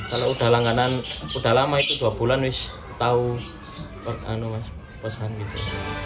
kalau udah langganan udah lama itu dua bulan wih tau pesan gitu